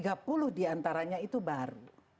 dan tiga puluh di antaranya itu baru